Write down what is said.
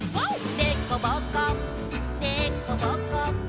「でこぼこでこぼこ」